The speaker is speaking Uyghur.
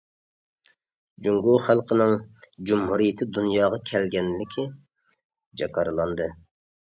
جۇڭگو خەلقىنىڭ جۇمھۇرىيىتى دۇنياغا كەلگەنلىكى جاكارلاندى.